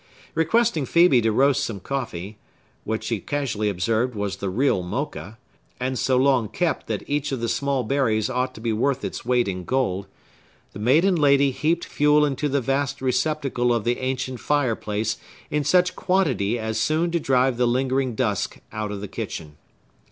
Requesting Phœbe to roast some coffee,—which she casually observed was the real Mocha, and so long kept that each of the small berries ought to be worth its weight in gold,—the maiden lady heaped fuel into the vast receptacle of the ancient fireplace in such quantity as soon to drive the lingering dusk out of the kitchen.